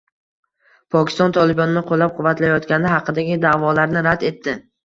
Pokiston “Tolibon”ni qo‘llab-quvvatlayotgani haqidagi da’volarni rad etdi